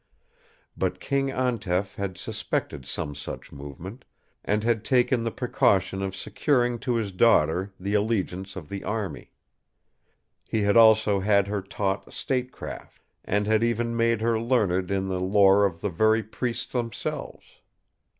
But King Antef had suspected some such movement, and had taken the precaution of securing to his daughter the allegiance of the army. He had also had her taught statecraft, and had even made her learned in the lore of the very priests themselves.